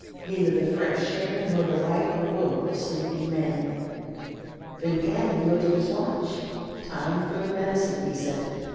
Neither the fresh air nor the light awoke the sleeping man. Vimpany looked at his watch. "Time for the medicine," he said.